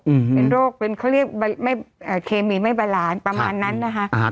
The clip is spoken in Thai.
อืมเป็นโรคเป็นเขาเรียกไม่เอ่อเคมีไม่บาลานประมาณนั้นนะคะอ่า